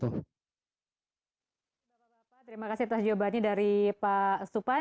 terima kasih terima kasih jawabannya dari pak supan